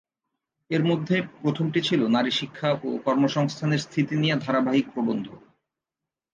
এর মধ্যে প্রথমটি ছিল নারী শিক্ষা ও কর্মসংস্থানের স্থিতি নিয়ে ধারাবাহিক প্রবন্ধ।